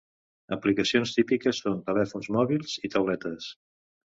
Aplicacions típiques són telèfons mòbils i tauletes.